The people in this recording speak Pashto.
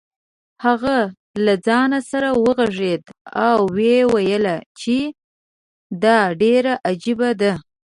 هغه له ځان سره وغږېد او ویې ویل چې دا ډېره عجیبه ده.